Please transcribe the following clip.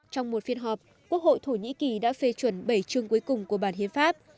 trong một phiên họp quốc hội thổ nhĩ kỳ đã phê chuẩn bảy chương cuối cùng của bản hiến pháp